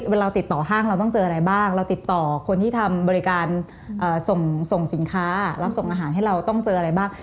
เวลาติดต่อห้างเราต้องเจออะไรบ้างเราติดต่อคนที่ทำบริการส่งสินค้ารับส่งอาหารให้เราต้องเจออะไรบ้าง